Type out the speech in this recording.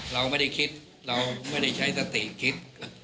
เราไม่ได้คิดเราไม่ได้ใช้สติคิด